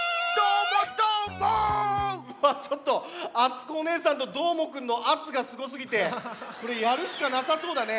うわちょっとあつこおねえさんとどーもくんのあつがすごすぎてこれやるしかなさそうだね。